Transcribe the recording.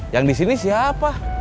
yang disini siapa